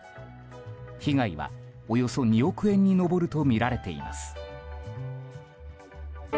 被害はおよそ２億円に上るとみられています。